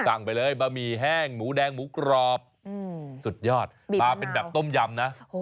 สั่งไปเลยบะหมี่แห้งหมูแดงหมูกรอบสุดยอดมาเป็นแบบต้มยำนะ